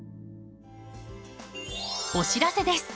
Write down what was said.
お知らせです。